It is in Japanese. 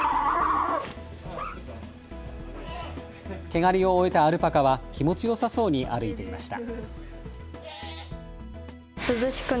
毛刈りを終えたアルパカは気持ちよさそうに歩いていました。